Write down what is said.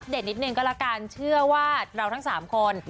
นิดนึงก็ละกันเชื่อว่าเราทั้ง๓คน